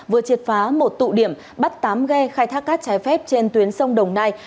vừa triệt phá một tụ điểm bắt tám ghe khai thác cát trái phép trên tuyến sông đồng nai